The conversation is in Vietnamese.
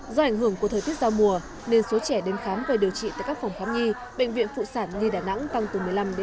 do ảnh hưởng của thời tiết giao mùa nên số trẻ đến khám và điều trị tại các phòng khám nhi bệnh viện phụ sản nhi đà nẵng tăng từ một mươi năm một mươi